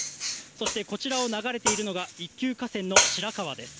そしてこちらを流れているのが一級河川の白川です。